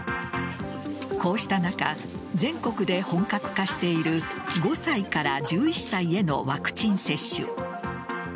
こうした中全国で本格化している５歳から１１歳へのワクチン接種。